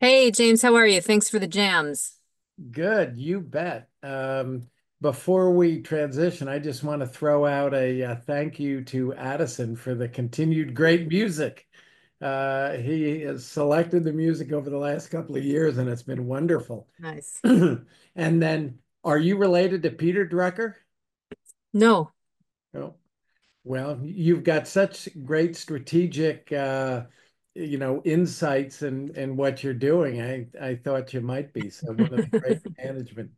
Hey, James, how are you? Thanks for the jams. Good, you bet. Before we transition, I just want to throw out a thank you to Addison for the continued great music. He has selected the music over the last couple of years, and it's been wonderful. Nice. Are you related to Peter Drucker? No. No? Well, you've got such great strategic, you know, insights in what you're doing. I thought you might be some of the great management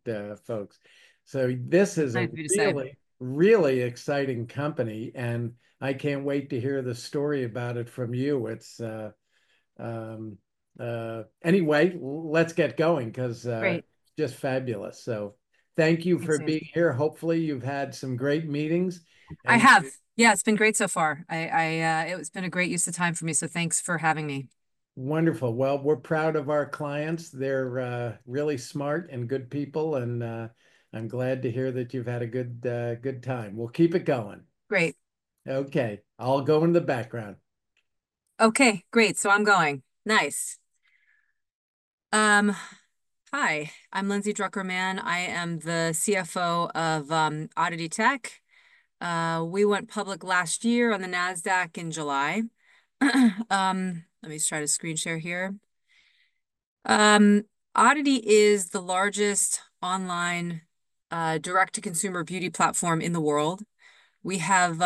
folks. So this is a really, really exciting company, and I can't wait to hear the story about it from you. It's anyway, let's get going 'cause just fabulous. So thank you for being here. Hopefully, you've had some great meetings. I have. Yeah, it's been great so far. I, it's been a great use of time for me, so thanks for having me. Wonderful. Well, we're proud of our clients. They're really smart and good people, and I'm glad to hear that you've had a good, good time. We'll keep it going. Great. Okay. I'll go in the background. Okay, great. So I'm going. Nice. Hi, I'm Lindsay Drucker Mann. I am the CFO of ODDITY Tech. We went public last year on the NASDAQ in July. Let me just try to screen share here. ODDITY is the largest online direct-to-consumer beauty platform in the world. We have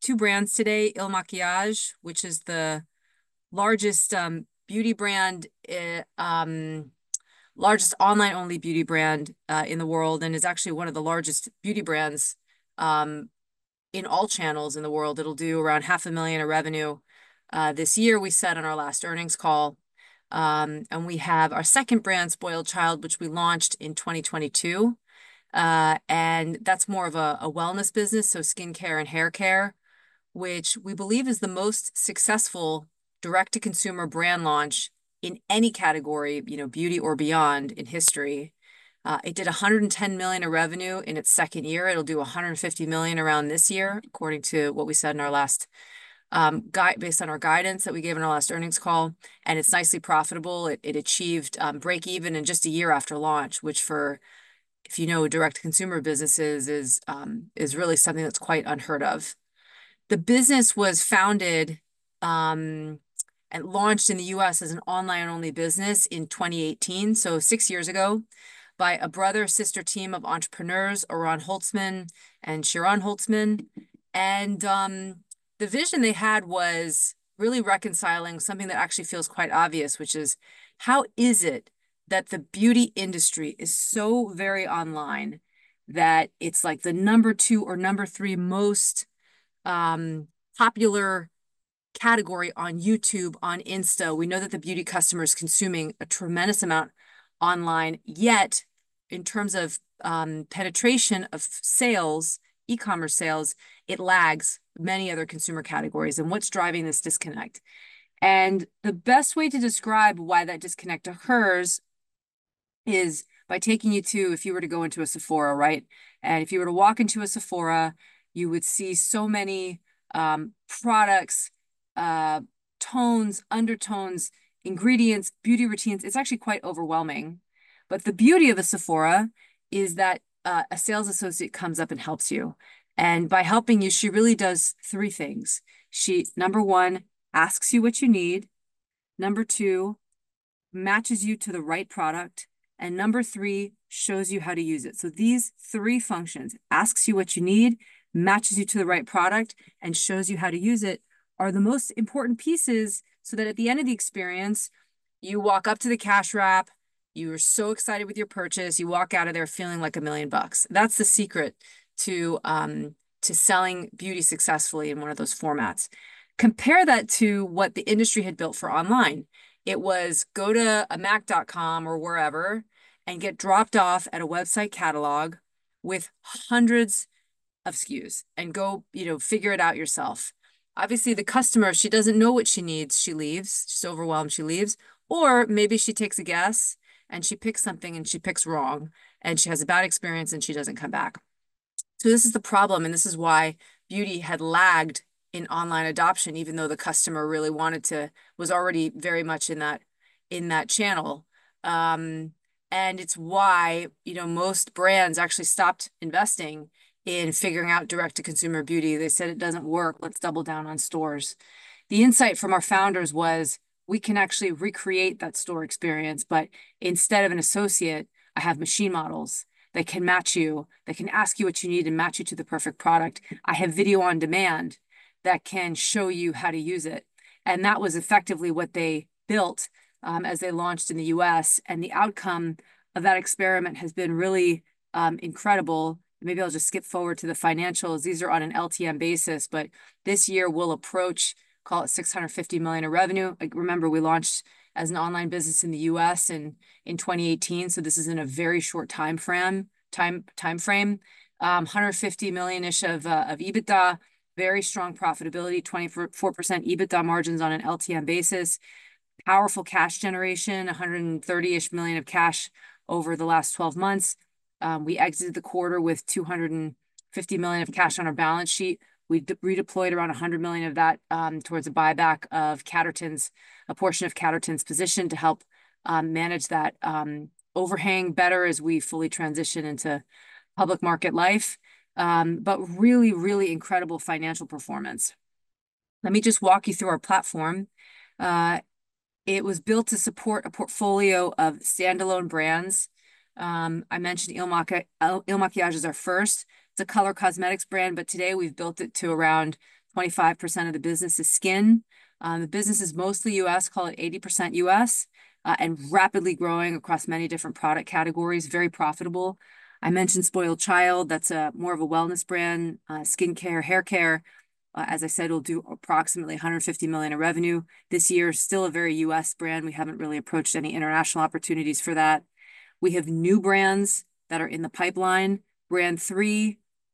two brands today: IL MAKIAGE, which is the largest beauty brand, largest online-only beauty brand in the world, and is actually one of the largest beauty brands in all channels in the world. It'll do around $500,000 in revenue this year, we said on our last earnings call. We have our second brand, SpoiledChild, which we launched in 2022. That's more of a wellness business, so skincare and haircare, which we believe is the most successful direct-to-consumer brand launch in any category, you know, beauty or beyond in history. It did $110 million in revenue in its second year. It'll do $150 million around this year, according to what we said in our last guide based on our guidance that we gave in our last earnings call. It's nicely profitable. It achieved break-even in just a year after launch, which, if you know, for direct-to-consumer businesses is really something that's quite unheard of. The business was founded and launched in the U.S. as an online-only business in 2018, so six years ago, by a brother-sister team of entrepreneurs, Oran Holtzman and Shiran Holtzman. The vision they had was really reconciling something that actually feels quite obvious, which is how is it that the beauty industry is so very online that it's like the number two or number three most popular category on YouTube, on Insta? We know that the beauty customer is consuming a tremendous amount online, yet in terms of penetration of sales, e-commerce sales, it lags many other consumer categories. And what's driving this disconnect? And the best way to describe why that disconnect occurs is by taking you to, if you were to go into a Sephora, right? And if you were to walk into a Sephora, you would see so many products, tones, undertones, ingredients, beauty routines. It's actually quite overwhelming. But the beauty of a Sephora is that a sales associate comes up and helps you. And by helping you, she really does three things. She, number one, asks you what you need. Number two, matches you to the right product. And number three, shows you how to use it. These three functions, asks you what you need, matches you to the right product, and shows you how to use it, are the most important pieces so that at the end of the experience, you walk up to the cash wrap, you are so excited with your purchase, you walk out of there feeling like a million bucks. That's the secret to selling beauty successfully in one of those formats. Compare that to what the industry had built for online. It was go to a MAC.com or wherever and get dropped off at a website catalog with hundreds of SKUs and go, you know, figure it out yourself. Obviously, the customer, she doesn't know what she needs, she leaves, she's overwhelmed, she leaves. Or maybe she takes a guess and she picks something and she picks wrong and she has a bad experience and she doesn't come back. So this is the problem, and this is why beauty had lagged in online adoption, even though the customer really wanted to, was already very much in that, in that channel. And it's why, you know, most brands actually stopped investing in figuring out direct-to-consumer beauty. They said, "It doesn't work. Let's double down on stores." The insight from our founders was, we can actually recreate that store experience, but instead of an associate, I have machine models that can match you, that can ask you what you need and match you to the perfect product. I have video on demand that can show you how to use it. And that was effectively what they built, as they launched in the U.S. And the outcome of that experiment has been really, incredible. Maybe I'll just skip forward to the financials. These are on an LTM basis, but this year we'll approach, call it $650 million in revenue. Like, remember, we launched as an online business in the U.S. in 2018, so this is in a very short timeframe. $150 million-ish of EBITDA, very strong profitability, 24% EBITDA margins on an LTM basis, powerful cash generation, $130-ish million of cash over the last 12 months. We exited the quarter with $250 million of cash on our balance sheet. We redeployed around $100 million of that, towards a buyback of Catterton's, a portion of Catterton's position to help, manage that, overhang better as we fully transition into public market life. But really, really incredible financial performance. Let me just walk you through our platform. It was built to support a portfolio of standalone brands. I mentioned IL MAKIAGE is our first. It's a color cosmetics brand, but today we've built it to around 25% of the business is skin. The business is mostly U.S., call it 80% U.S., and rapidly growing across many different product categories, very profitable. I mentioned SpoiledChild. That's more of a wellness brand, skincare, haircare. As I said, we'll do approximately $150 million in revenue this year. Still a very U.S. brand. We haven't really approached any international opportunities for that. We have new brands that are in the pipeline. Brand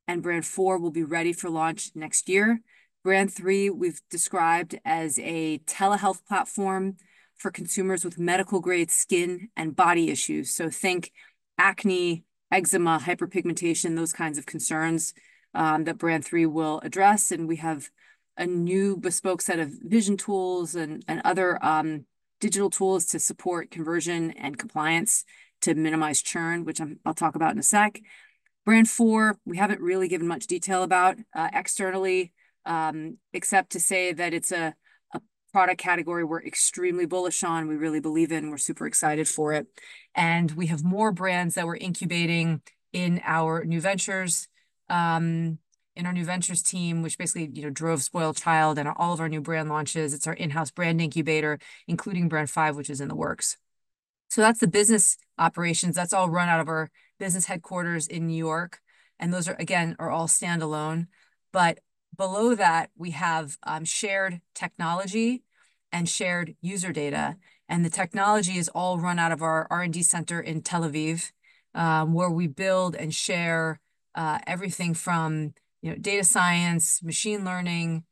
3 and Brand 4 will be ready for launch next year. Brand 3 we've described as a telehealth platform for consumers with medical-grade skin and body issues. So think acne, eczema, hyperpigmentation, those kinds of concerns, that Brand 3 will address. We have a new bespoke set of vision tools and other digital tools to support conversion and compliance to minimize churn, which I'll talk about in a sec. Brand 4 we haven't really given much detail about, externally, except to say that it's a product category we're extremely bullish on, we really believe in, we're super excited for it. We have more brands that we're incubating in our new ventures team, which basically, you know, drove SpoiledChild and all of our new brand launches. It's our in-house brand incubator, including Brand 5, which is in the works. That's the business operations. That's all run out of our business headquarters in New York. And those are, again, all standalone. But below that, we have shared technology and shared user data. And the technology is all run out of our R&D center in Tel Aviv, where we build and share everything from, you know, data science, machine learning,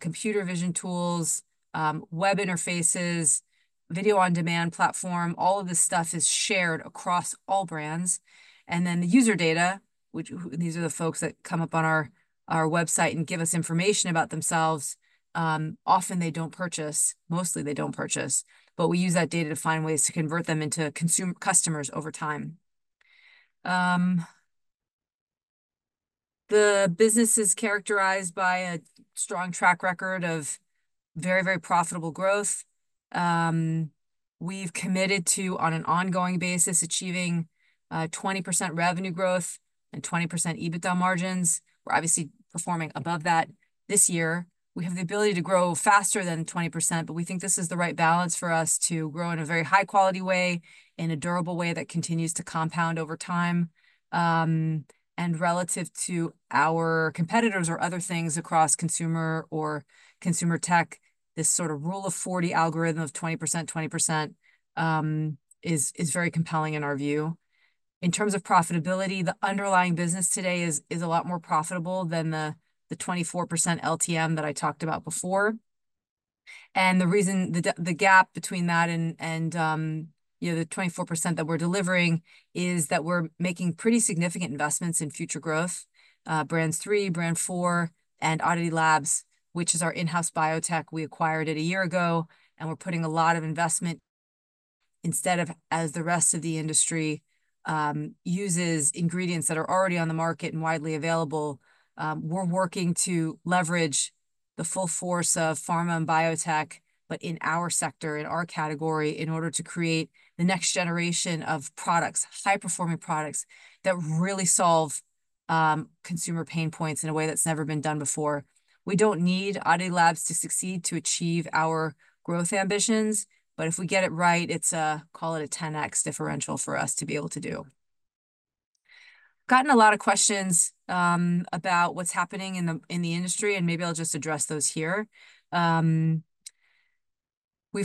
computer vision tools, web interfaces, video on demand platform. All of this stuff is shared across all brands. And then the user data, which these are the folks that come up on our website and give us information about themselves. Often they don't purchase. Mostly they don't purchase. But we use that data to find ways to convert them into consumer customers over time. The business is characterized by a strong track record of very, very profitable growth. We've committed to, on an ongoing basis, achieving 20% revenue growth and 20% EBITDA margins. We're obviously performing above that this year. We have the ability to grow faster than 20%, but we think this is the right balance for us to grow in a very high-quality way, in a durable way that continues to compound over time, and relative to our competitors or other things across consumer or consumer tech, this sort of Rule of 40 algorithm of 20%, 20%, is very compelling in our view. In terms of profitability, the underlying business today is a lot more profitable than the 24% LTM that I talked about before. And the reason, the gap between that and, you know, the 24% that we're delivering is that we're making pretty significant investments in future growth. Brand 3, Brand 4, and ODDITY Labs, which is our in-house biotech. We acquired it a year ago, and we're putting a lot of investment. Instead of, as the rest of the industry uses ingredients that are already on the market and widely available, we're working to leverage the full force of pharma and biotech, but in our sector, in our category, in order to create the next generation of products, high-performing products that really solve consumer pain points in a way that's never been done before. We don't need ODDITY Labs to succeed to achieve our growth ambitions, but if we get it right, it's a, call it a 10x differential for us to be able to do. Gotten a lot of questions about what's happening in the industry, and maybe I'll just address those here. We've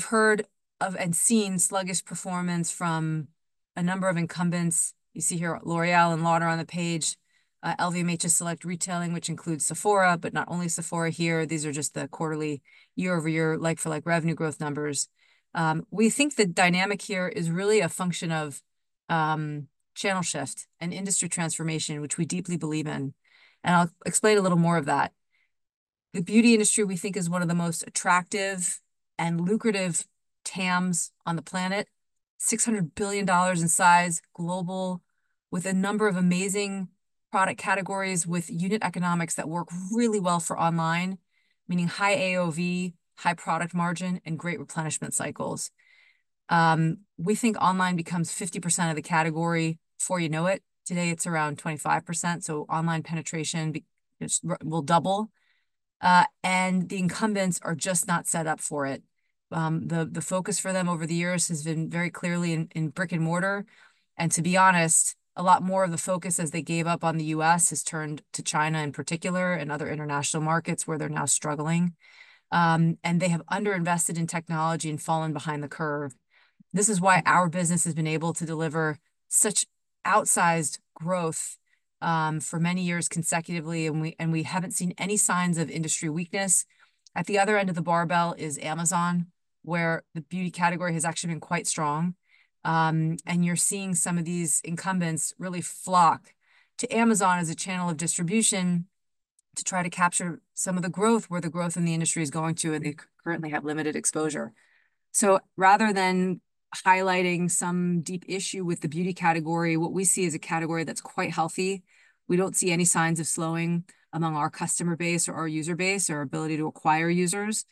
heard of and seen sluggish performance from a number of incumbents. You see here L'Oréal and Lauder on the page. LVMH has Selective Retailing, which includes Sephora, but not only Sephora here. These are just the quarterly, year-over-year, like-for-like revenue growth numbers. We think the dynamic here is really a function of channel shift and industry transformation, which we deeply believe in. And I'll explain a little more of that. The beauty industry, we think, is one of the most attractive and lucrative TAMs on the planet, $600 billion in size, global, with a number of amazing product categories with unit economics that work really well for online, meaning high AOV, high product margin, and great replenishment cycles. We think online becomes 50% of the category before you know it. Today it's around 25%, so online penetration will double. And the incumbents are just not set up for it. The focus for them over the years has been very clearly in brick and mortar. And to be honest, a lot more of the focus as they gave up on the U.S. has turned to China in particular and other international markets where they're now struggling. And they have underinvested in technology and fallen behind the curve. This is why our business has been able to deliver such outsized growth, for many years consecutively, and we, and we haven't seen any signs of industry weakness. At the other end of the barbell is Amazon, where the beauty category has actually been quite strong. And you're seeing some of these incumbents really flock to Amazon as a channel of distribution to try to capture some of the growth where the growth in the industry is going to, and they currently have limited exposure. So rather than highlighting some deep issue with the beauty category, what we see is a category that's quite healthy. We don't see any signs of slowing among our customer base or our user base or our ability to acquire users.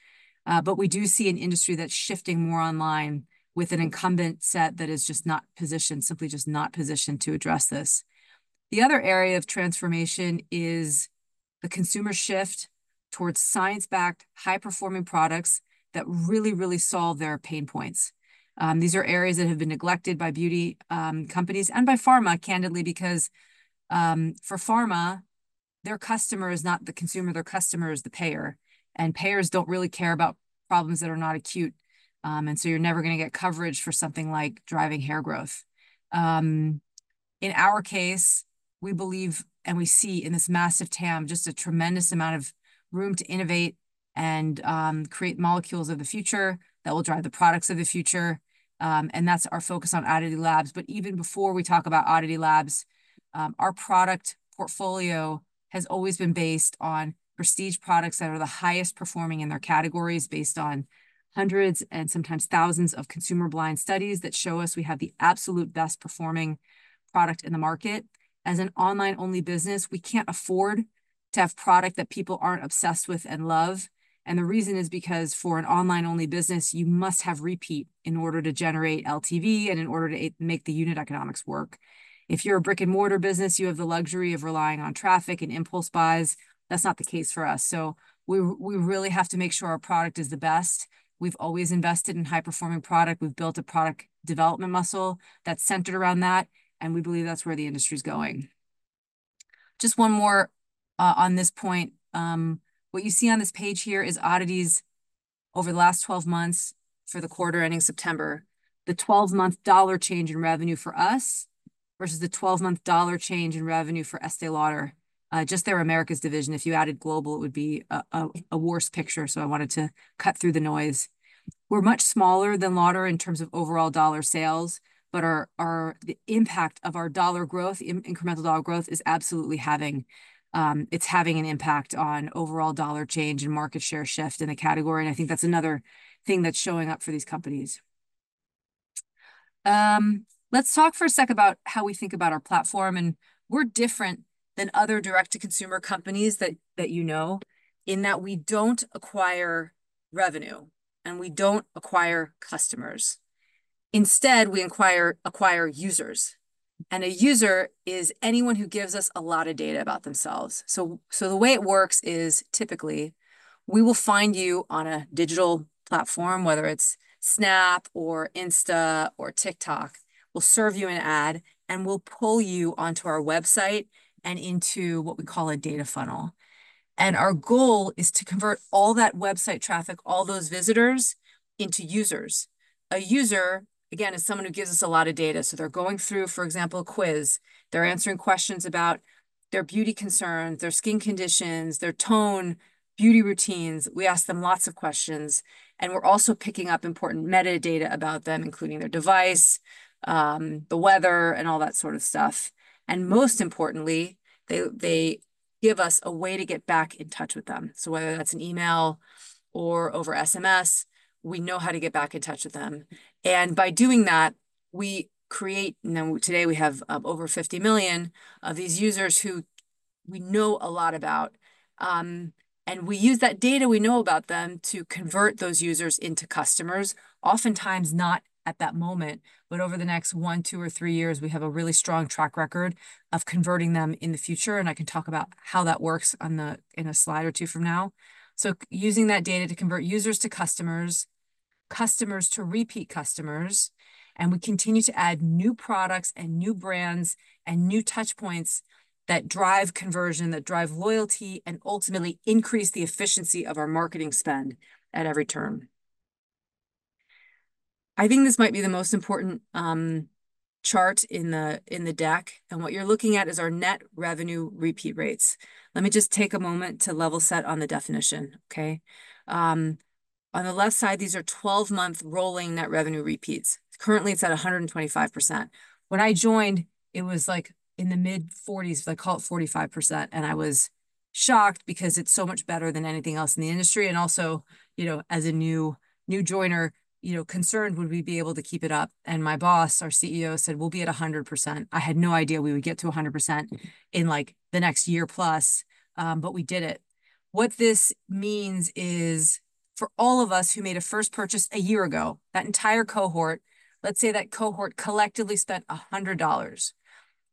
But we do see an industry that's shifting more online with an incumbent set that is just not positioned, simply just not positioned to address this. The other area of transformation is the consumer shift towards science-backed, high-performing products that really, really solve their pain points. These are areas that have been neglected by beauty companies and by pharma, candidly, because, for pharma, their customer is not the consumer, their customer is the payer. And payers don't really care about problems that are not acute. And so you're never going to get coverage for something like driving hair growth. In our case, we believe and we see in this massive TAM just a tremendous amount of room to innovate and create molecules of the future that will drive the products of the future. And that's our focus on ODDITY Labs. But even before we talk about ODDITY Labs, our product portfolio has always been based on prestige products that are the highest performing in their categories based on hundreds and sometimes thousands of consumer-blind studies that show us we have the absolute best performing product in the market. As an online-only business, we can't afford to have product that people aren't obsessed with and love. And the reason is because for an online-only business, you must have repeat in order to generate LTV and in order to make the unit economics work. If you're a brick-and-mortar business, you have the luxury of relying on traffic and impulse buys. That's not the case for us. So we really have to make sure our product is the best. We've always invested in high-performing product. We've built a product development muscle that's centered around that, and we believe that's where the industry is going. Just one more, on this point. What you see on this page here is ODDITY's over the last 12 months for the quarter ending September, the 12-month dollar change in revenue for us versus the 12-month dollar change in revenue for Estée Lauder. Just their Americas division. If you added global, it would be a worse picture. So I wanted to cut through the noise. We're much smaller than Lauder in terms of overall dollar sales, but the impact of our dollar growth, incremental dollar growth is absolutely having an impact on overall dollar change and market share shift in the category. And I think that's another thing that's showing up for these companies. Let's talk for a sec about how we think about our platform. And we're different than other direct-to-consumer companies that you know in that we don't acquire revenue and we don't acquire customers. Instead, we acquire users. And a user is anyone who gives us a lot of data about themselves. So the way it works is typically we will find you on a digital platform, whether it's Snap or Insta or TikTok, we'll serve you an ad and we'll pull you onto our website and into what we call a data funnel. Our goal is to convert all that website traffic, all those visitors into users. A user, again, is someone who gives us a lot of data. So they're going through, for example, a quiz. They're answering questions about their beauty concerns, their skin conditions, their tone, beauty routines. We ask them lots of questions. We're also picking up important metadata about them, including their device, the weather, and all that sort of stuff. Most importantly, they give us a way to get back in touch with them. So whether that's an email or over SMS, we know how to get back in touch with them. By doing that, we create, and today we have over 50 million of these users who we know a lot about. And we use that data we know about them to convert those users into customers, oftentimes not at that moment, but over the next one, two, or three years. We have a really strong track record of converting them in the future. And I can talk about how that works in a slide or two from now. So using that data to convert users to customers, customers to repeat customers, and we continue to add new products and new brands and new touchpoints that drive conversion, that drive loyalty, and ultimately increase the efficiency of our marketing spend at every turn. I think this might be the most important chart in the deck. And what you're looking at is our net revenue repeat rates. Let me just take a moment to level set on the definition, okay? On the left side, these are 12-month rolling net revenue repeats. Currently, it's at 125%. When I joined, it was like in the mid-40s, but I call it 45%, and I was shocked because it's so much better than anything else in the industry. And also, you know, as a new joiner, you know, concerned would we be able to keep it up? And my boss, our CEO, said, we'll be at 100%. I had no idea we would get to 100% in like the next year plus, but we did it. What this means is for all of us who made a first purchase a year ago, that entire cohort, let's say that cohort collectively spent $100.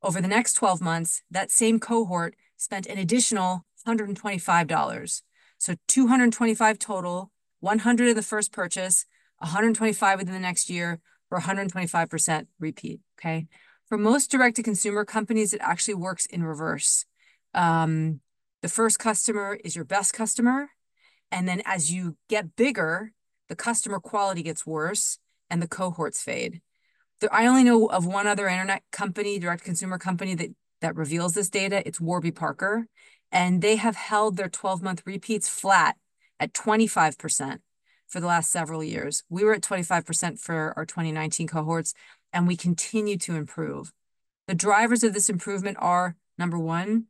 Over the next 12 months, that same cohort spent an additional $125, so 225 total, 100 of the first purchase, 125 within the next year for 125% repeat, okay? For most direct-to-consumer companies, it actually works in reverse. The first customer is your best customer. And then as you get bigger, the customer quality gets worse and the cohorts fade. I only know of one other internet company, direct-to-consumer company that reveals this data. It's Warby Parker. And they have held their 12-month repeats flat at 25% for the last several years. We were at 25% for our 2019 cohorts, and we continue to improve. The drivers of this improvement are, number one,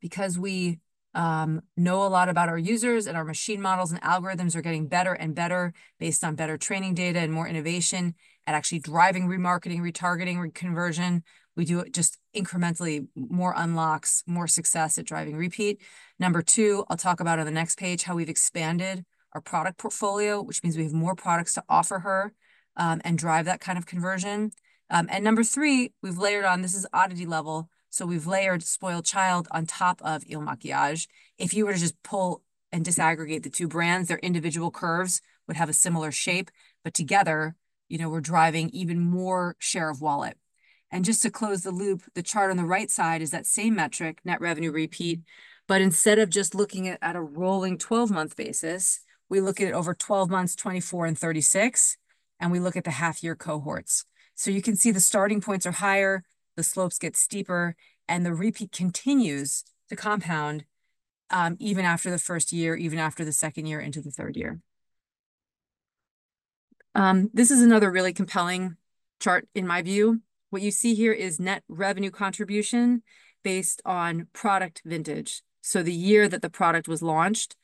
because we know a lot about our users and our machine models and algorithms are getting better and better based on better training data and more innovation and actually driving remarketing, retargeting, reconversion. We do it just incrementally more unlocks, more success at driving repeat. Number two, I'll talk about on the next page how we've expanded our product portfolio, which means we have more products to offer her, and drive that kind of conversion, and number three, we've layered on, this is ODDITY level, so we've layered SpoiledChild on top of IL MAKIAGE. If you were to just pull and disaggregate the two brands, their individual curves would have a similar shape, but together, you know, we're driving even more share of wallet, and just to close the loop, the chart on the right side is that same metric, net revenue repeat, but instead of just looking at a rolling 12-month basis, we look at it over 12 months, 24 and 36, and we look at the half-year cohorts. So you can see the starting points are higher, the slopes get steeper, and the repeat continues to compound, even after the first year, even after the second year into the third year. This is another really compelling chart in my view. What you see here is net revenue contribution based on product vintage. So the year that the product was launched,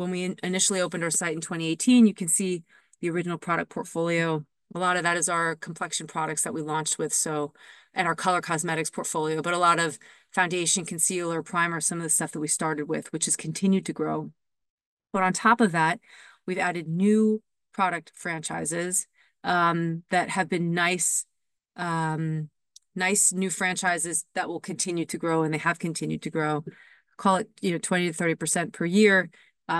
when we initially opened our site in 2018, you can see the original product portfolio. A lot of that is our complexion products that we launched with, so, and our color cosmetics portfolio, but a lot of foundation, concealer, primer, some of the stuff that we started with, which has continued to grow. But on top of that, we've added new product franchises, that have been nice, nice new franchises that will continue to grow, and they have continued to grow. Call it, you know, 20%-30% per year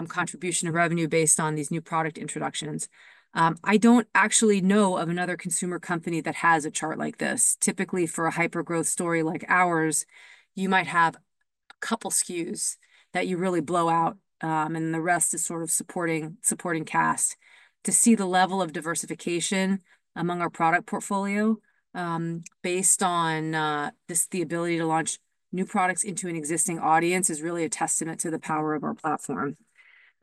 contribution of revenue based on these new product introductions. I don't actually know of another consumer company that has a chart like this. Typically, for a hyper-growth story like ours, you might have a couple SKUs that you really blow out, and the rest is sort of supporting cast to see the level of diversification among our product portfolio, based on this, the ability to launch new products into an existing audience is really a testament to the power of our platform.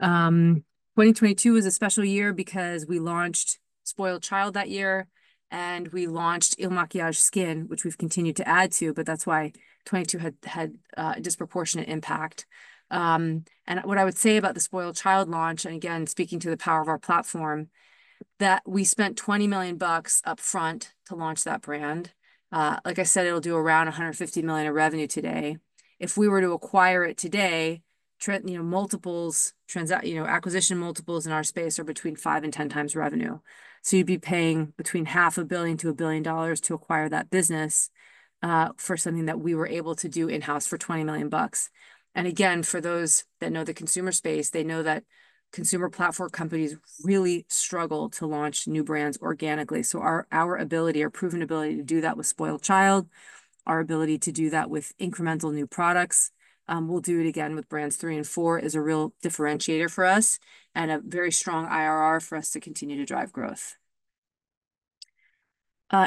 2022 was a special year because we launched SpoiledChild that year, and we launched IL MAKIAGE Skin, which we've continued to add to, but that's why 2022 had a disproportionate impact. And what I would say about the SpoiledChild launch, and again, speaking to the power of our platform, that we spent $20 million upfront to launch that brand. Like I said, it'll do around $150 million of revenue today. If we were to acquire it today, you know, multiples, transact, you know, acquisition multiples in our space are between five and ten times revenue. So you'd be paying between $500 million to $1 billion to acquire that business, for something that we were able to do in-house for $20 million. And again, for those that know the consumer space, they know that consumer platform companies really struggle to launch new brands organically. So our proven ability to do that with SpoiledChild, our ability to do that with incremental new products, we'll do it again with Brand 3 and Brand 4 is a real differentiator for us and a very strong IRR for us to continue to drive growth.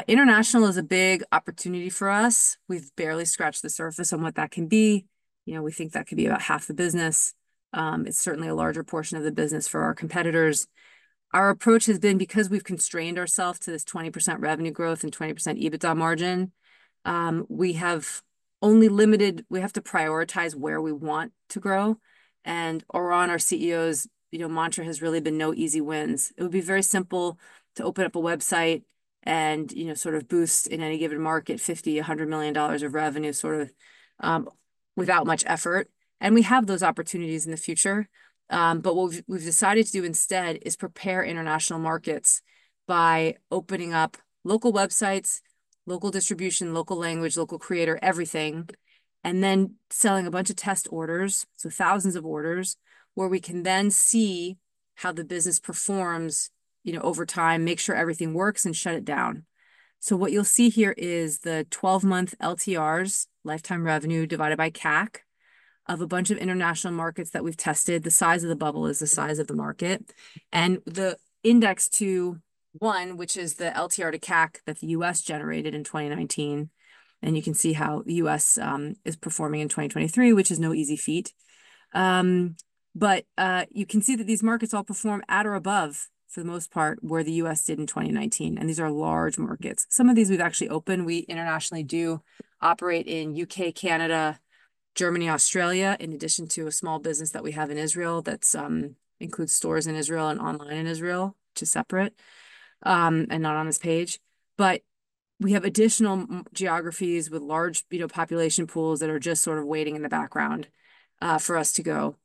International is a big opportunity for us. We've barely scratched the surface on what that can be. You know, we think that could be about half the business. It's certainly a larger portion of the business for our competitors. Our approach has been because we've constrained ourselves to this 20% revenue growth and 20% EBITDA margin, we have to prioritize where we want to grow. Oran, our CEO's, you know, mantra has really been no easy wins. It would be very simple to open up a website and, you know, sort of boost in any given market $50-$100 million of revenue sort of, without much effort, and we have those opportunities in the future, but what we've decided to do instead is prepare international markets by opening up local websites, local distribution, local language, local creator, everything, and then selling a bunch of test orders, so thousands of orders, where we can then see how the business performs, you know, over time, make sure everything works and shut it down, so what you'll see here is the 12-month LTRs, lifetime revenue divided by CAC of a bunch of international markets that we've tested. The size of the bubble is the size of the market, and the index to one, which is the LTR to CAC that the U.S. generated in 2019. And you can see how the U.S. is performing in 2023, which is no easy feat. But you can see that these markets all perform at or above, for the most part, where the U.S. did in 2019. And these are large markets. Some of these we've actually opened. We internationally do operate in U.K., Canada, Germany, Australia, in addition to a small business that we have in Israel that includes stores in Israel and online in Israel, which is separate and not on this page. But we have additional geographies with large, you know, population pools that are just sort of waiting in the background for us to go.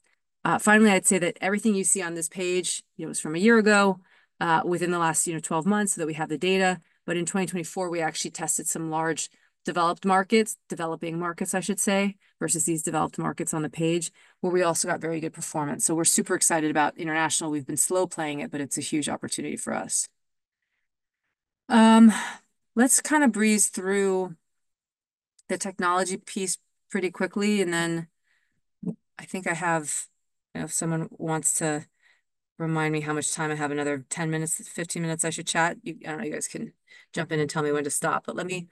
Finally, I'd say that everything you see on this page, you know, it was from a year ago, within the last, you know, 12 months that we have the data. But in 2024, we actually tested some large developed markets, developing markets, I should say, versus these developed markets on the page where we also got very good performance. So we're super excited about international. We've been slow playing it, but it's a huge opportunity for us. Let's kind of breeze through the technology piece pretty quickly. And then I think I have, if someone wants to remind me how much time I have, another 10 minutes, 15 minutes, I should chat. I don't know. You guys can jump in and tell me when to stop, but let me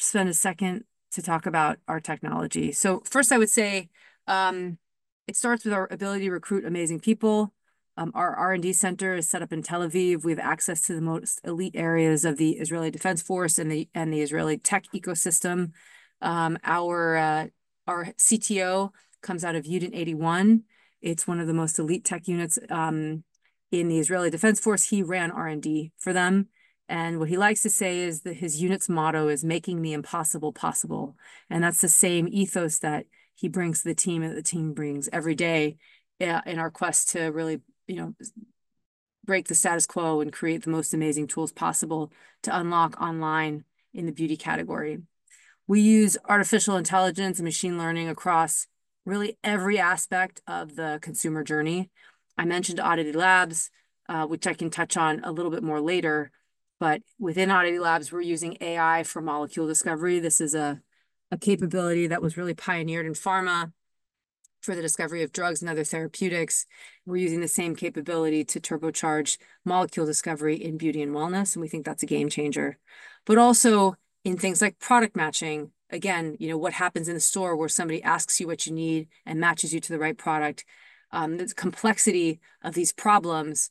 spend a second to talk about our technology. So first, I would say, it starts with our ability to recruit amazing people. Our R&D center is set up in Tel Aviv. We have access to the most elite areas of the Israel Defense Forces and the Israeli tech ecosystem. Our CTO comes out of Unit 81. It's one of the most elite tech units in the Israel Defense Forces. He ran R&D for them. What he likes to say is that his unit's motto is making the impossible possible. That's the same ethos that he brings to the team and the team brings every day in our quest to really, you know, break the status quo and create the most amazing tools possible to unlock online in the beauty category. We use artificial intelligence and machine learning across really every aspect of the consumer journey. I mentioned ODDITY Labs, which I can touch on a little bit more later, but within ODDITY Labs, we're using AI for molecule discovery. This is a capability that was really pioneered in pharma for the discovery of drugs and other therapeutics. We're using the same capability to turbocharge molecule discovery in beauty and wellness. And we think that's a game changer, but also in things like product matching. Again, you know, what happens in the store where somebody asks you what you need and matches you to the right product. The complexity of these problems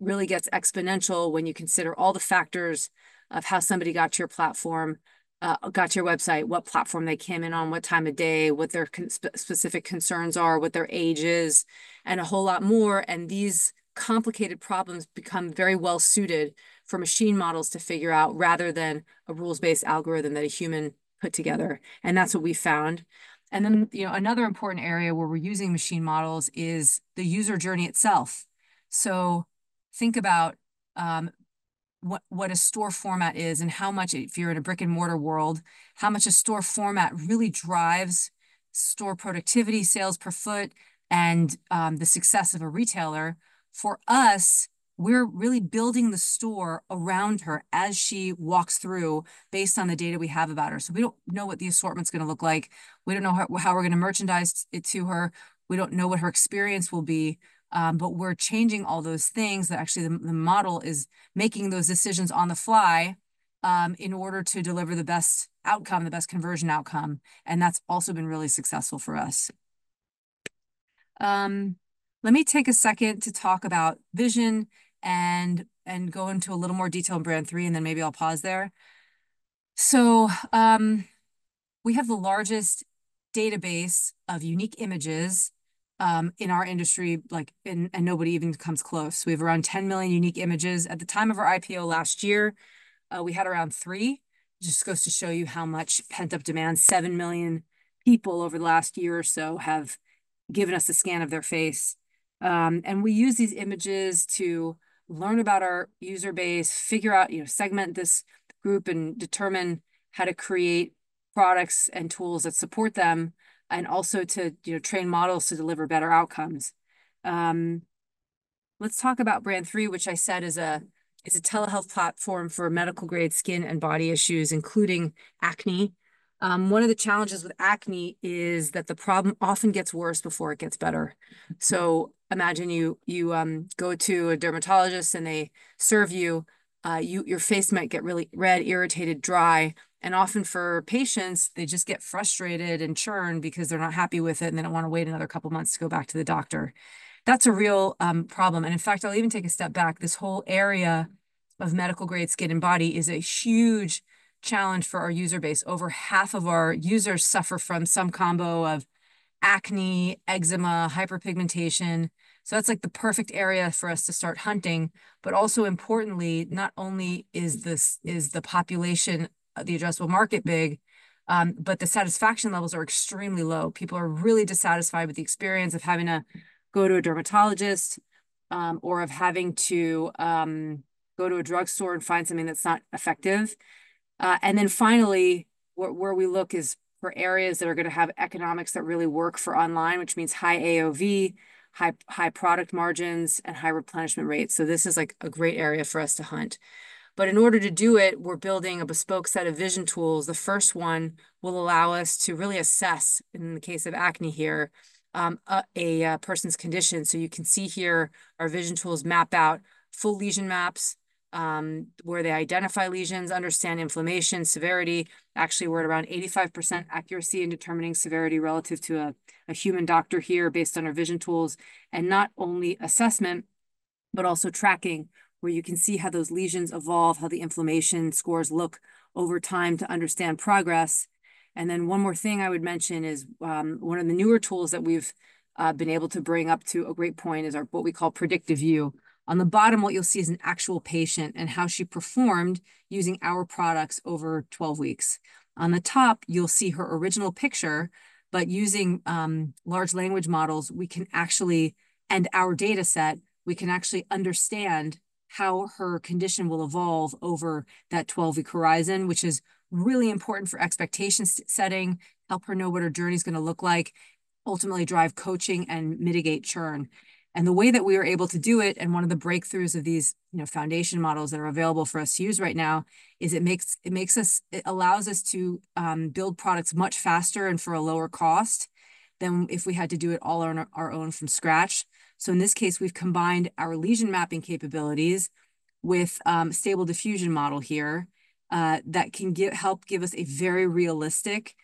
really gets exponential when you consider all the factors of how somebody got to your platform, got to your website, what platform they came in on, what time of day, what their specific concerns are, what their age is, and a whole lot more. And these complicated problems become very well suited for machine models to figure out rather than a rules-based algorithm that a human put together. And that's what we found. And then, you know, another important area where we're using machine models is the user journey itself. So think about what a store format is and how much, if you're in a brick and mortar world, how much a store format really drives store productivity, sales per foot, and the success of a retailer. For us, we're really building the store around her as she walks through based on the data we have about her. So we don't know what the assortment's going to look like. We don't know how we're going to merchandise it to her. We don't know what her experience will be. But we're changing all those things that actually the model is making those decisions on the fly, in order to deliver the best outcome, the best conversion outcome. And that's also been really successful for us. Let me take a second to talk about vision and go into a little more detail in Brand 3, and then maybe I'll pause there. So, we have the largest database of unique images in our industry, like in, and nobody even comes close. We have around 10 million unique images. At the time of our IPO last year, we had around three, which just goes to show you how much pent-up demand. Seven million people over the last year or so have given us a scan of their face. And we use these images to learn about our user base, figure out, you know, segment this group and determine how to create products and tools that support them, and also to, you know, train models to deliver better outcomes. Let's talk about Brand 3, which I said is a telehealth platform for medical-grade skin and body issues, including acne. One of the challenges with acne is that the problem often gets worse before it gets better, so imagine you go to a dermatologist and they serve you, your face might get really red, irritated, dry, and often for patients, they just get frustrated and churn because they're not happy with it and they don't want to wait another couple of months to go back to the doctor. That's a real problem, and in fact, I'll even take a step back. This whole area of medical-grade skin and body is a huge challenge for our user base. Over half of our users suffer from some combo of acne, eczema, hyperpigmentation, so that's like the perfect area for us to start hunting. But also importantly, not only is the population of the addressable market big, but the satisfaction levels are extremely low. People are really dissatisfied with the experience of having to go to a dermatologist, or of having to go to a drugstore and find something that's not effective, and then finally, where we look is for areas that are going to have economics that really work for online, which means high AOV, high product margins, and high replenishment rates. So this is like a great area for us to hunt. But in order to do it, we're building a bespoke set of vision tools. The first one will allow us to really assess, in the case of acne here, a person's condition. So you can see here our vision tools map out full lesion maps, where they identify lesions, understand inflammation, severity. Actually we're at around 85% accuracy in determining severity relative to a human doctor here based on our vision tools, and not only assessment, but also tracking where you can see how those lesions evolve, how the inflammation scores look over time to understand progress. And then one more thing I would mention is one of the newer tools that we've been able to bring up to a great point is our what we call predictive view. On the bottom, what you'll see is an actual patient and how she performed using our products over 12 weeks. On the top, you'll see her original picture, but using large language models and our data set, we can actually understand how her condition will evolve over that 12-week horizon, which is really important for expectation setting, help her know what her journey is going to look like, ultimately drive coaching and mitigate churn, and the way that we are able to do it, and one of the breakthroughs of these, you know, foundation models that are available for us to use right now is it allows us to build products much faster and for a lower cost than if we had to do it all on our own from scratch. So in this case, we've combined our lesion mapping capabilities with Stable Diffusion model here that can help give us a very realistic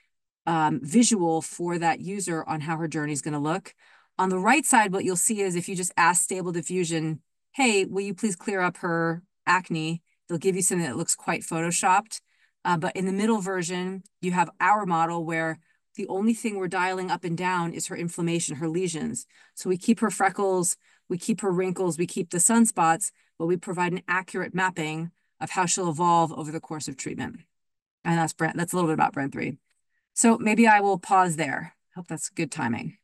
visual for that user on how her journey is going to look. On the right side, what you'll see is if you just ask Stable Diffusion, "Hey, will you please clear up her acne?" They'll give you something that looks quite photoshopped. But in the middle version, you have our model where the only thing we're dialing up and down is her inflammation, her lesions. So we keep her freckles, we keep her wrinkles, we keep the sunspots, but we provide an accurate mapping of how she'll evolve over the course of treatment. And that's Brand 3, that's a little bit about Brand 3. So maybe I will pause there. I hope that's good timing.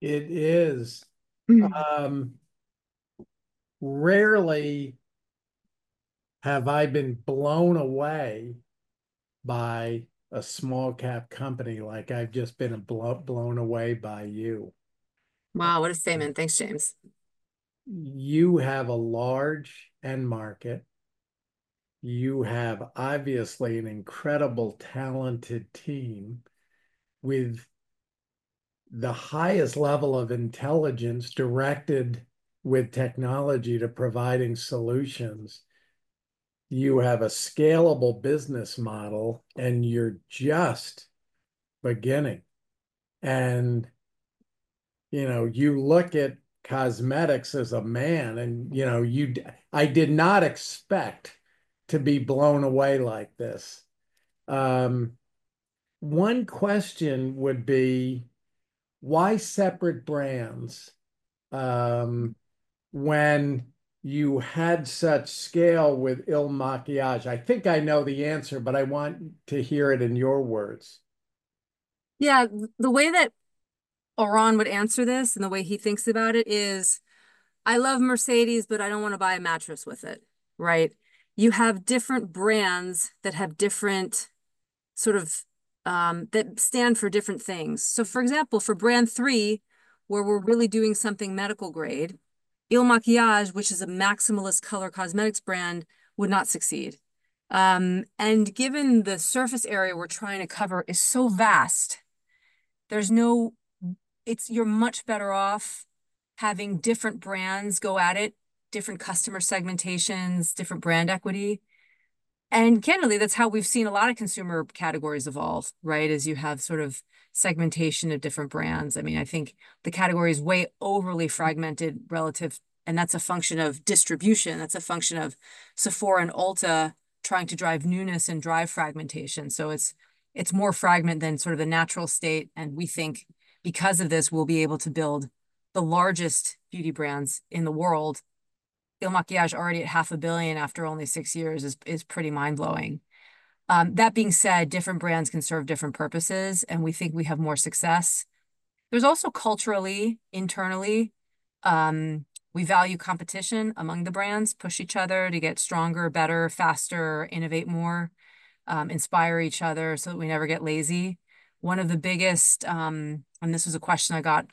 It is. Rarely have I been blown away by a small cap company like I've just been blown away by you. Wow, what a statement. Thanks, James. You have a large end market. You have obviously an incredible talented team with the highest level of intelligence directed with technology to providing solutions. You have a scalable business model and you're just beginning. You know, you look at cosmetics as a man and, you know, you, I did not expect to be blown away like this. One question would be, why separate brands, when you had such scale with IL MAKIAGE? I think I know the answer, but I want to hear it in your words. Yeah, the way that Oran would answer this and the way he thinks about it is, I love Mercedes, but I don't want to buy a mattress with it, right? You have different brands that have different sort of, that stand for different things. So for example, for Brand 3, where we're really doing something medical grade, IL MAKIAGE, which is a maximalist color cosmetics brand, would not succeed, and given the surface area we're trying to cover is so vast, there's no, it's, you're much better off having different brands go at it, different customer segmentations, different brand equity. And candidly, that's how we've seen a lot of consumer categories evolve, right? As you have sort of segmentation of different brands. I mean, I think the category is way overly fragmented relative, and that's a function of distribution. That's a function of Sephora and Ulta trying to drive newness and drive fragmentation. So it's, it's more fragmented than sort of the natural state. And we think because of this, we'll be able to build the largest beauty brands in the world. IL MAKIAGE already at $500 million after only six years is pretty mind-blowing. That being said, different brands can serve different purposes, and we think we have more success. There's also culturally, internally, we value competition among the brands, push each other to get stronger, better, faster, innovate more, inspire each other so that we never get lazy. One of the biggest, and this was a question I got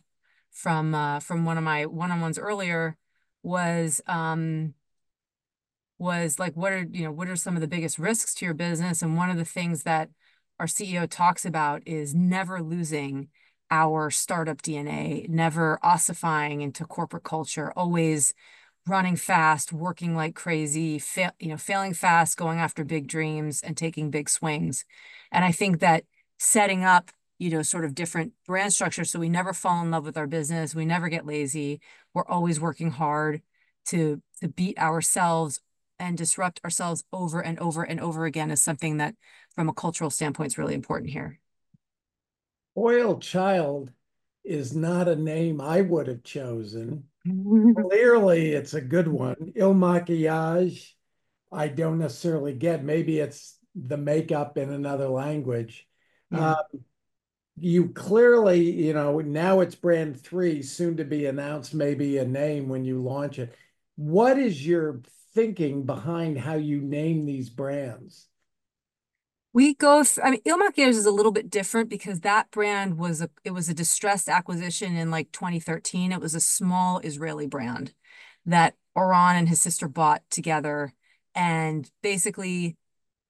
from one of my one-on-ones earlier was like, what are, you know, what are some of the biggest risks to your business? One of the things that our CEO talks about is never losing our startup DNA, never ossifying into corporate culture, always running fast, working like crazy, failing fast, you know, going after big dreams and taking big swings. I think that setting up, you know, sort of different brand structures so we never fall in love with our business, we never get lazy, we're always working hard to beat ourselves and disrupt ourselves over and over and over again is something that from a cultural standpoint is really important here. SpoiledChild is not a name I would have chosen. Clearly, it's a good one. IL MAKIAGE, I don't necessarily get, maybe it's the makeup in another language. You clearly, you know, now it's Brand 3, soon to be announced, maybe a name when you launch it. What is your thinking behind how you name these brands? We go, I mean, IL MAKIAGE is a little bit different because that brand was, it was a distressed acquisition in like 2013. It was a small Israeli brand that Oran and his sister bought together and basically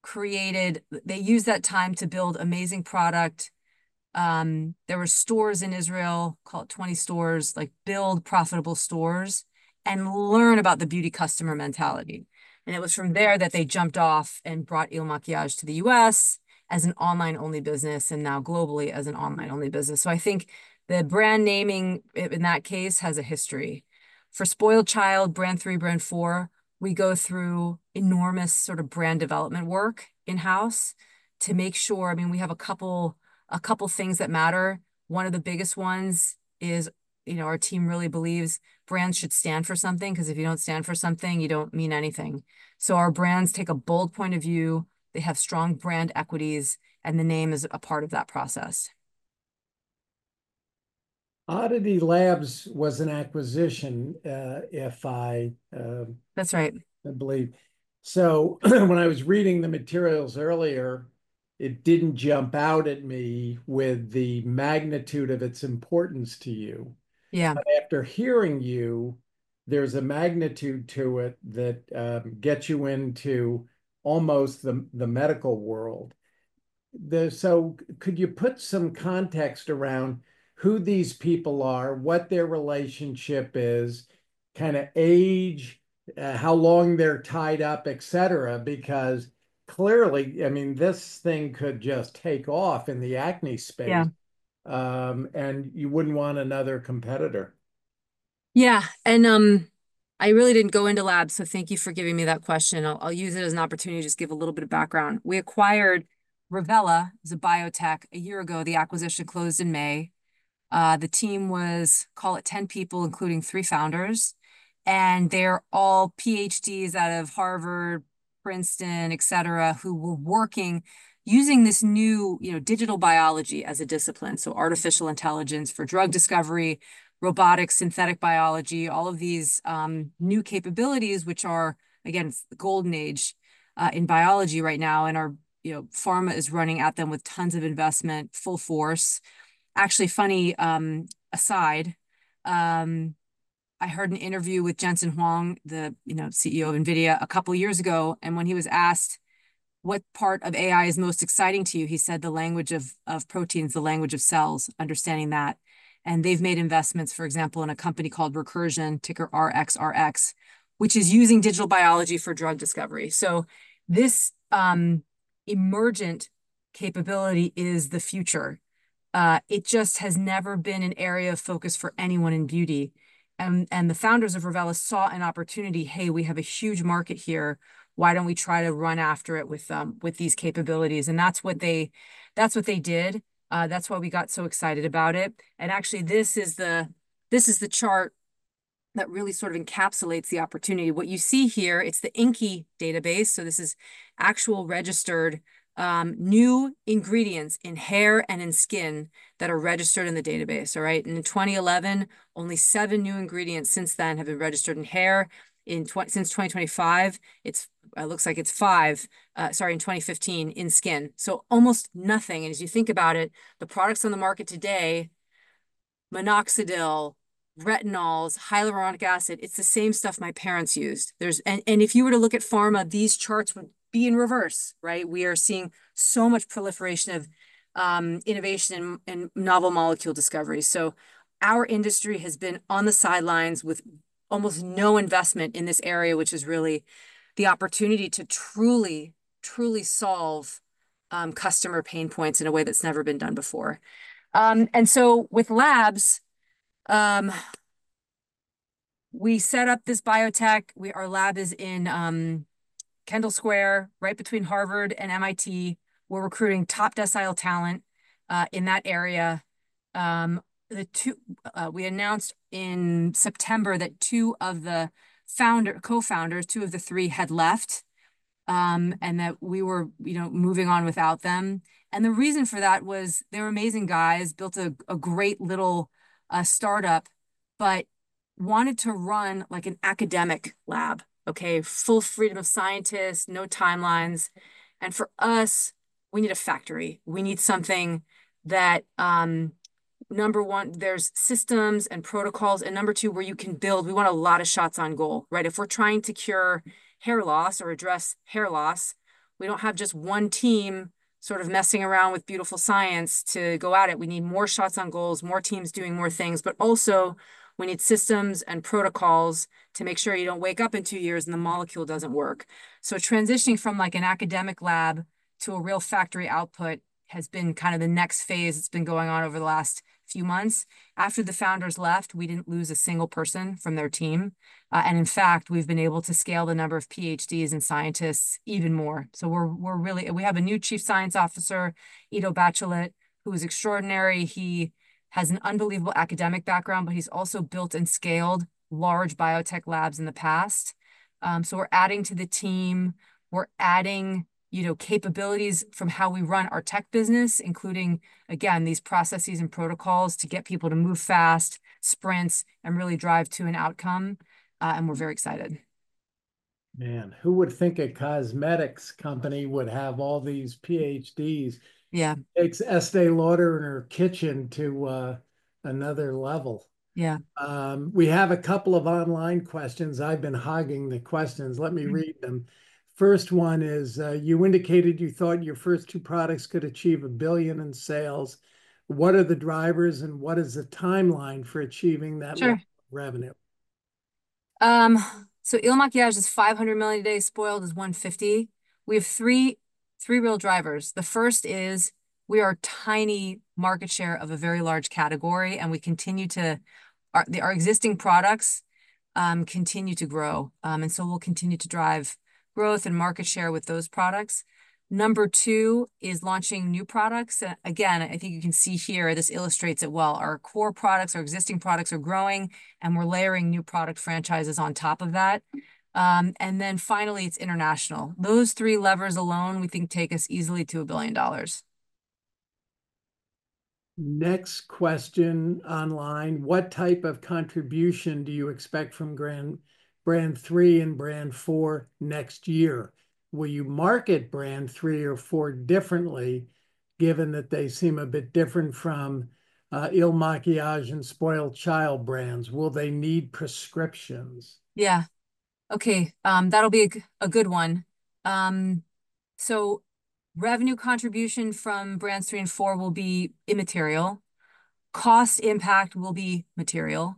created, they used that time to build amazing product. There were stores in Israel, called 20 stores, like build profitable stores and learn about the beauty customer mentality, and it was from there that they jumped off and brought IL MAKIAGE to the U.S. as an online-only business and now globally as an online-only business. So I think the brand naming in that case has a history. For SpoiledChild, Brand 3, Brand 4, we go through enormous sort of brand development work in-house to make sure, I mean, we have a couple things that matter. One of the biggest ones is, you know, our team really believes brands should stand for something because if you don't stand for something, you don't mean anything. So our brands take a bold point of view. They have strong brand equities and the name is a part of that process. ODDITY Labs was an acquisition, if I, that's right, I believe. So when I was reading the materials earlier, it didn't jump out at me with the magnitude of its importance to you. Yeah. But after hearing you, there's a magnitude to it that gets you into almost the medical world. So could you put some context around who these people are, what their relationship is, kind of age, how long they're tied up, et cetera, because clearly, I mean, this thing could just take off in the acne space. Yeah, and you wouldn't want another competitor. Yeah. I really didn't go into labs, so thank you for giving me that question. I'll use it as an opportunity to just give a little bit of background. We acquired Revela as a biotech a year ago. The acquisition closed in May. The team was, call it 10 people, including three founders, and they're all PhDs out of Harvard, Princeton, et cetera, who were working, using this new, you know, digital biology as a discipline. Artificial intelligence for drug discovery, robotics, synthetic biology, all of these, new capabilities, which are, again, the golden age, in biology right now. Our, you know, pharma is running at them with tons of investment, full force. Actually, funny, aside, I heard an interview with Jensen Huang, the, you know, CEO of NVIDIA a couple of years ago. And when he was asked, what part of AI is most exciting to you, he said, the language of proteins, the language of cells, understanding that. And they've made investments, for example, in a company called Recursion, ticker RXRX, which is using digital biology for drug discovery. So this emergent capability is the future. It just has never been an area of focus for anyone in beauty. And the founders of Revela saw an opportunity, hey, we have a huge market here. Why don't we try to run after it with these capabilities? And that's what they, that's what they did. That's why we got so excited about it. And actually, this is the chart that really sort of encapsulates the opportunity. What you see here, it's the INCI database. So this is actually registered new ingredients in hair and in skin that are registered in the database. All right. And in 2011, only seven new ingredients since then have been registered in hair. In 2015, since then it's five, sorry, in 2015 in skin. So almost nothing. And as you think about it, the products on the market today, minoxidil, retinol, hyaluronic acid, it's the same stuff my parents used. And if you were to look at pharma, these charts would be in reverse, right? We are seeing so much proliferation of innovation and novel molecule discovery. So our industry has been on the sidelines with almost no investment in this area, which is really the opportunity to truly, truly solve customer pain points in a way that's never been done before. And so with Labs, we set up this biotech. Our lab is in Kendall Square, right between Harvard and MIT. We're recruiting top doctoral talent in that area. We announced in September that two of the co-founders, two of the three, had left, and that we were, you know, moving on without them. And the reason for that was they were amazing guys, built a great little startup, but wanted to run like an academic lab, okay? Full freedom of scientists, no timelines. And for us, we need a factory. We need something that, number one, there's systems and protocols, and number two, where you can build. We want a lot of shots on goal, right? If we're trying to cure hair loss or address hair loss, we don't have just one team sort of messing around with beautiful science to go at it. We need more shots on goals, more teams doing more things, but also we need systems and protocols to make sure you don't wake up in two years and the molecule doesn't work, so transitioning from like an academic lab to a real factory output has been kind of the next phase that's been going on over the last few months. After the founders left, we didn't lose a single person from their team, and in fact, we've been able to scale the number of PhDs and scientists even more. So we're really. We have a new Chief Science Officer, Ido Bachelet, who is extraordinary. He has an unbelievable academic background, but he's also built and scaled large biotech labs in the past, so we're adding to the team. We're adding, you know, capabilities from how we run our tech business, including, again, these processes and protocols to get people to move fast, sprints, and really drive to an outcome, and we're very excited. Man, who would think a cosmetics company would have all these PhDs? Yeah. Takes Estée Lauder in her kitchen to another level. Yeah. We have a couple of online questions. I've been hogging the questions. Let me read them. First one is, you indicated you thought your first two products could achieve $1 billion in sales. What are the drivers and what is the timeline for achieving that revenue? IL MAKIAGE is $500 million a day, SpoiledChild is $150 million. We have three, three real drivers. The first is we are a tiny market share of a very large category and we continue to, our, our existing products, continue to grow. And so we'll continue to drive growth and market share with those products. Number two is launching new products. Again, I think you can see here, this illustrates it well. Our core products, our existing products are growing and we're layering new product franchises on top of that. And then finally, it's international. Those three levers alone, we think take us easily to $1 billion. Next question online. What type of contribution do you expect from brand, Brand 3 and Brand 4 next year? Will you market Brand 3 or 4 differently given that they seem a bit different from IL MAKIAGE and SpoiledChild brands? Will they need prescriptions? Yeah. Okay. That'll be a good one. So revenue contribution from Brand 3 and 4 will be immaterial. Cost impact will be material.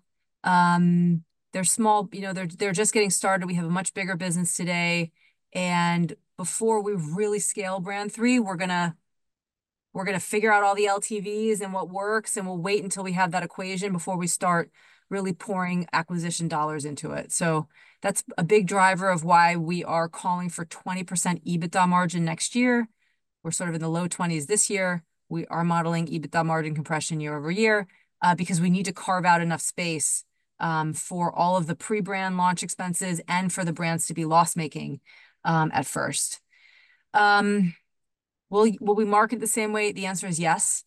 They're small, you know, they're just getting started. We have a much bigger business today. And before we really scale Brand 3, we're going to figure out all the LTVs and what works, and we'll wait until we have that equation before we start really pouring acquisition dollars into it. So that's a big driver of why we are calling for 20% EBITDA margin next year. We're sort of in the low twenties this year. We are modeling EBITDA margin compression year over year, because we need to carve out enough space for all of the pre-brand launch expenses and for the brands to be loss-making at first. Will we market the same way? The answer is yes.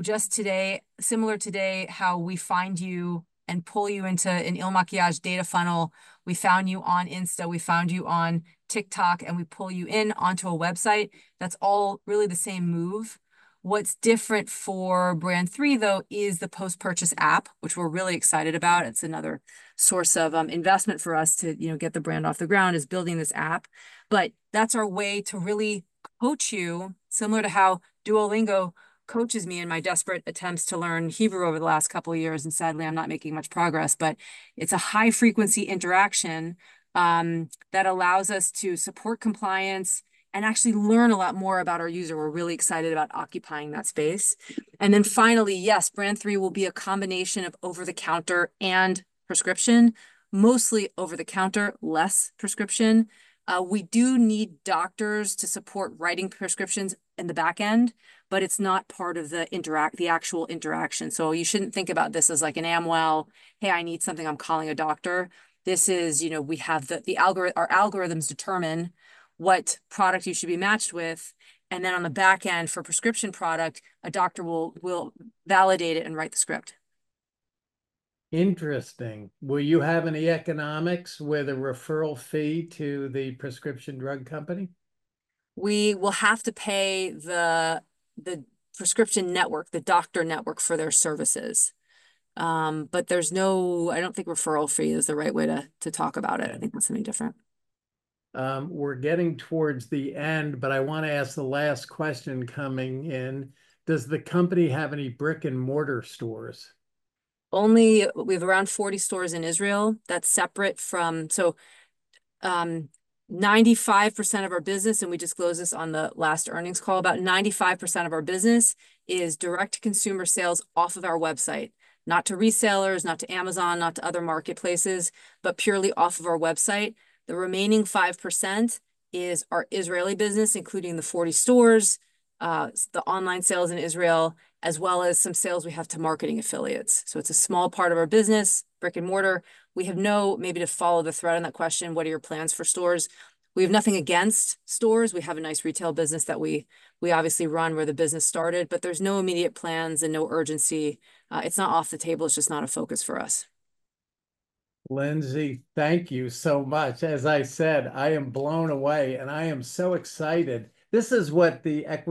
Just today, similar to today, how we find you and pull you into an IL MAKIAGE data funnel. We found you on Insta, we found you on TikTok, and we pull you in onto a website. That's all really the same move. What's different for Brand 3, though, is the post-purchase app, which we're really excited about. It's another source of investment for us to, you know, get the brand off the ground is building this app. But that's our way to really coach you, similar to how Duolingo coaches me in my desperate attempts to learn Hebrew over the last couple of years, and sadly, I'm not making much progress, but it's a high-frequency interaction that allows us to support compliance and actually learn a lot more about our user. We're really excited about occupying that space. And then finally, yes, Brand 3 will be a combination of over-the-counter and prescription, mostly over-the-counter, less prescription. We do need doctors to support writing prescriptions in the backend, but it's not part of the interaction, the actual interaction. So you shouldn't think about this as like an Amwell, hey, I need something, I'm calling a doctor. This is, you know, we have the algorithm, our algorithms determine what product you should be matched with. And then on the backend for prescription product, a doctor will validate it and write the script. Interesting. Will you have any economics with a referral fee to the prescription drug company? We will have to pay the prescription network, the doctor network for their services. But there's no, I don't think referral fee is the right way to talk about it. I think that's something different. We're getting towards the end, but I want to ask the last question coming in. Does the company have any brick-and-mortar stores? Only, we have around 40 stores in Israel that's separate from, so, 95% of our business, and we disclosed this on the last earnings call, about 95% of our business is direct consumer sales off of our website, not to resellers, not to Amazon, not to other marketplaces, but purely off of our website. The remaining 5% is our Israeli business, including the 40 stores, the online sales in Israel, as well as some sales we have to marketing affiliates. So it's a small part of our business, brick-and-mortar. We have no, maybe to follow the thread on that question, what are your plans for stores? We have nothing against stores. We have a nice retail business that we obviously run where the business started, but there's no immediate plans and no urgency. It's not off the table. It's just not a focus for us. Lindsay, thank you so much. As I said, I am blown away and I am so excited. This is what the.